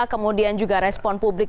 kemudian juga respon publik